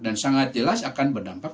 dan sangat jelas akan berdampak